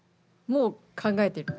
もう考えてる。